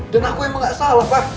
dan aku emang gak salah pak